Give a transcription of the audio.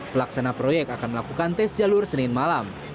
pelaksana proyek akan melakukan tes jalur senin malam